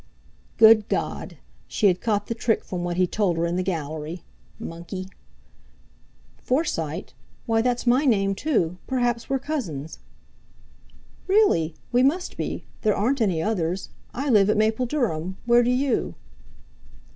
Good God! She had caught the trick from what he'd told her in the Gallery—monkey! "Forsyte? Why—that's my name too. Perhaps we're cousins." "Really! We must be. There aren't any others. I live at Mapledurham; where do you?"